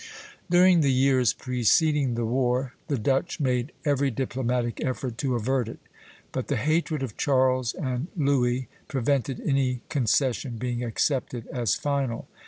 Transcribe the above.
" During the years preceding the war the Dutch made every diplomatic effort to avert it, but the hatred of Charles and Louis prevented any concession being accepted as final.